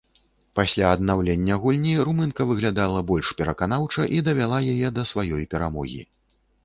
Пасля аднаўлення гульні румынка выглядала больш пераканаўча і давяла яе да сваёй перамогі.